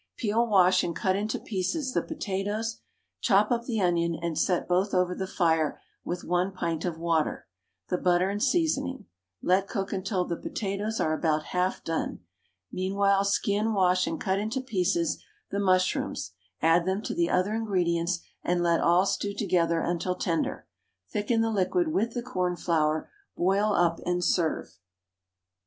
Peel, wash, and cut into pieces the potatoes; chop up the onion, and set both over the fire with 1 pint of water, the butter and seasoning; let cook until the potatoes are about half done. Meanwhile skin, wash, and cut into pieces the mushrooms, add them to the other ingredients, and let all stew together until tender. Thicken the liquid with the cornflour, boil up, and serve.